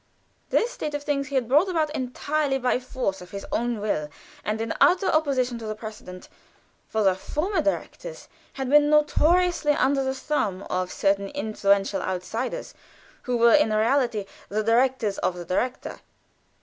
This state of things he had brought about entirely by force of his own will and in utter opposition to precedent, for the former directors had been notoriously under the thumb of certain influential outsiders, who were in reality the directors of the director.